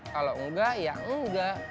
kalau enggak ya enggak